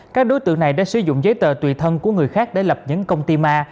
các đối tượng này đã sử dụng giấy tờ tùy thân của người khác để lập những công ty ma